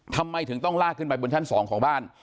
ทำไมถึงต้องลากขึ้นไปบนชั้น๒ของบ้าน